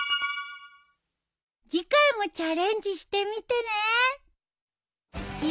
次回もチャレンジしてみてね。